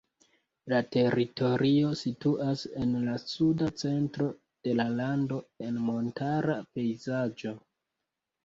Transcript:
La teritorio situas en la suda centro de la lando, en montara pejzaĝo.